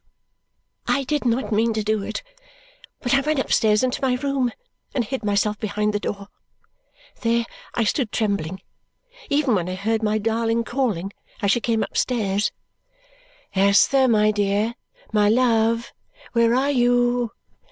I did not mean to do it, but I ran upstairs into my room and hid myself behind the door. There I stood trembling, even when I heard my darling calling as she came upstairs, "Esther, my dear, my love, where are you?